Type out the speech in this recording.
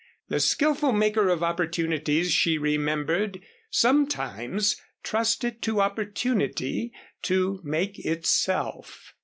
The skilful maker of opportunities she remembered sometimes trusted to opportunity to make itself.